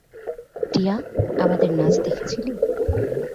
টিয়া, আমাদের নাচ দেখেছিলি?